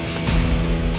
selamat mengalahi kamu